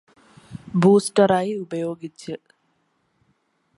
ബൂസ്റ്ററായി ഉപയോഗിച്ച്